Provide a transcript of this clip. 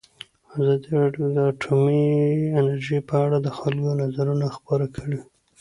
ازادي راډیو د اټومي انرژي په اړه د خلکو نظرونه خپاره کړي.